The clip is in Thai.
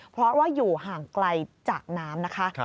เพราะว่าอยู่ห่างไกลจากน้ำนะคะ